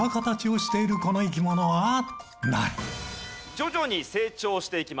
徐々に成長していきます。